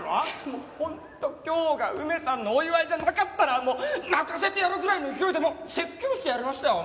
もうホント今日が梅さんのお祝いじゃなかったら泣かせてやるぐらいの勢いで説教してやりましたよ